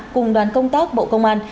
cùng đoàn công tác bộ công an